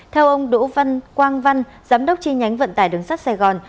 theo ông đỗ văn quang văn giám đốc chi nhánh vận tải đường sắt sài gòn